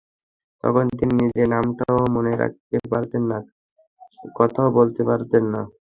তখন তিনি নিজের নামটাও মনে রাখতে পারতেন না, কথাও বলতে পারতেন না।